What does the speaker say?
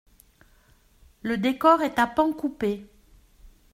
Le décor est à pans coupés.